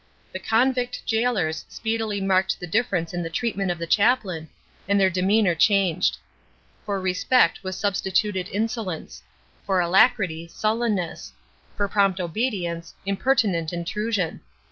The convict gaolers speedily marked the difference in the treatment of the chaplain, and their demeanour changed. For respect was substituted insolence; for alacrity, sullenness; for prompt obedience, impertinent intrusion.